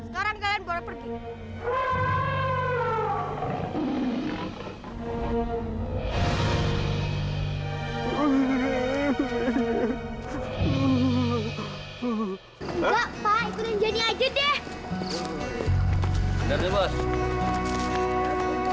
tarzan papaku sengaja datang ke sini